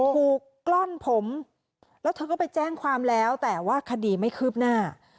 กล้อนผมแล้วเธอก็ไปแจ้งความแล้วแต่ว่าคดีไม่คืบหน้า